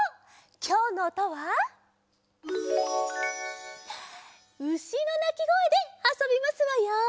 きょうのおとはうしのなきごえであそびますわよ。